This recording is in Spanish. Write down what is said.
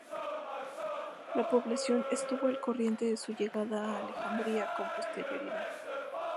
La población estuvo al corriente de su llegada a Alejandría con posterioridad.